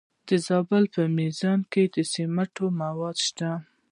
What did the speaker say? د زابل په میزانه کې د سمنټو مواد شته.